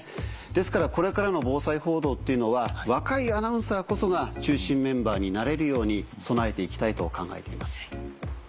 ですからこれからの防災報道っていうのは若いアナウンサーこそが中心メンバーになれるように備えて行きたいと考えています。